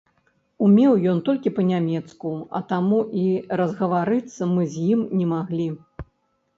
Умеў ён толькі па-нямецку, а таму і разгаварыцца мы з ім не маглі.